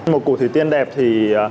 một cụ thủy tiên đẹp thì